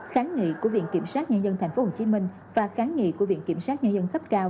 kháng nghị của viện kiểm sát nhân dân tp hcm và kháng nghị của viện kiểm sát nhân dân cấp cao